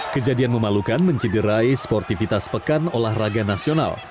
kejadian memalukan mencederai sportivitas pekan olahraga nasional